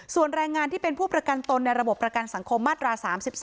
ส่วนแรงงานที่เป็นผู้ประกันตนในระบบประกันสังคมมาตรา๓๒